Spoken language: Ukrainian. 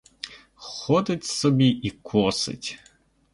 Ходить собі і косить.